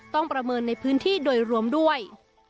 ประเมินในพื้นที่โดยรวมด้วย